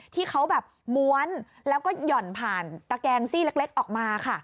ที่เขาแบบม้วนแล้วก็หย่อนผ่านตะแกงซี่เล็กออกมาค่ะ